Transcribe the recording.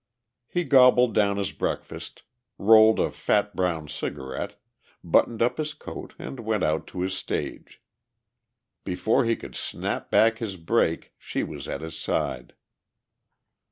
He gobbled down his breakfast, rolled a fat brown cigarette, buttoned up his coat and went out to his stage. Before he could snap back his brake she was at his side.